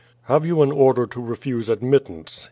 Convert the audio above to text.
"Have you an order to refuse admittance?"